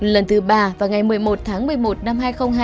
lần thứ ba vào ngày một mươi một tháng một mươi một năm hai nghìn hai mươi